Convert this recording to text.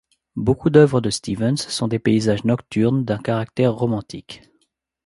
Beaucoup d'œuvres de Stevens sont des paysages nocturnes d'un caractère romantique.